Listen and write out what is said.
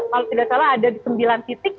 kalau tidak salah ada di sembilan titik